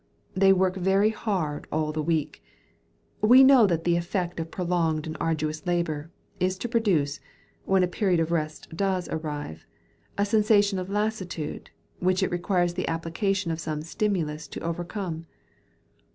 They work very hard all the week. We know that the effect of prolonged and arduous labour, is to produce, when a period of rest does arrive, a sensation of lassitude which it requires the application of some stimulus to overcome.